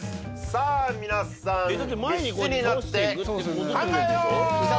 さぁ皆さん必死になって考えよう！